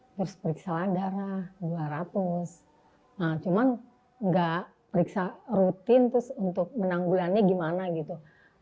terus periksa darah dua ratus cuman gak periksa rutin untuk menanggulannya gimana gitu